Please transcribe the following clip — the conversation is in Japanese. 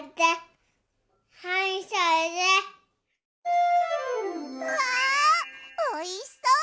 うわおいしそう！